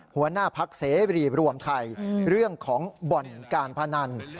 หัวหน้าพักเสรีรวมไทยเรื่องของบ่อนการพนัน